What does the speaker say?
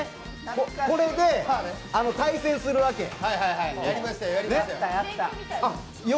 これで対戦するわけ。